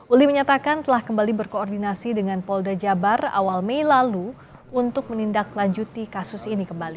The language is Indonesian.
uli menyatakan telah kembali berkoordinasi dengan polda jabar awal mei lalu untuk menindaklanjuti kasus ini kembali